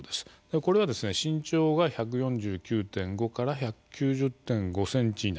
これは身長が１４９．５から１９０．５ｃｍ以内。